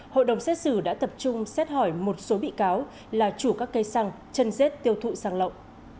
hội đồng xét xử đã tập trung xét hỏi một số bị cáo là chủ các cây xăng chân dết tiêu thụ sang lậu